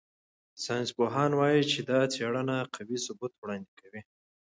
ساینسپوهان وايي چې دا څېړنه قوي ثبوت وړاندې کوي.